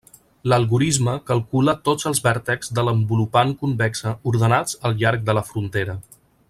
L'algorisme calcula tots els vèrtexs de l'envolupant convexa ordenats al llarg de la frontera.